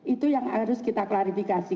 itu yang harus kita klarifikasi